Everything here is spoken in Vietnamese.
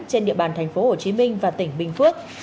trên địa bàn tp hcm và tỉnh bình phước